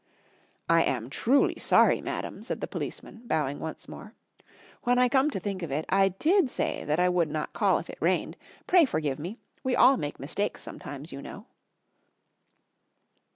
"I am truly sorry, madam," said the policeman, bowing once more. "When I come to think of it, I did say that I would not call if it rained. Pray forgive me. We all make mistakes sometimes, you know."